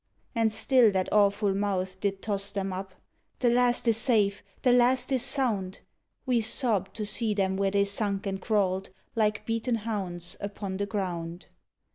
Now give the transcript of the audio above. And still that awful mouth did toss them up: "The last is safe! The last is sound!" We sobbed to see them where they sunk and crawled, Like beaten hounds, upon the ground.